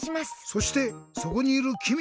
そしてそこにいるきみ！